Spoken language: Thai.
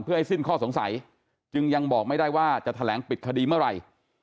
เพื่อให้สิ้นข้อสงสัยจึงยังบอกไม่ได้ว่าจะแถลงปิดคดีเมื่อไหร่